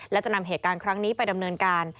และจะนำเหตุการณ์ครั้งนี้ไปดำเนินการ